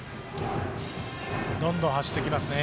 どんどん走ってきますね。